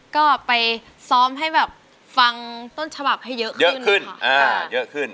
ก็ไปซ้อมให้ฟังต้นฉบับให้เยอะขึ้น